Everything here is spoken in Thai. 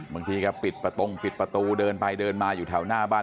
บางทีก็ปิดประตงปิดประตูเดินไปเดินมาอยู่แถวหน้าบ้าน